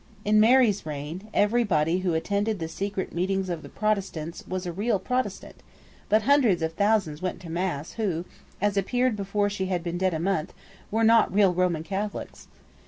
In Mary's reign, every body who attended the secret meetings of the Protestants was a real Protestant: but hundreds of thousands went to mass who, as appeared before she had been dead a month, were not real Roman Catholics.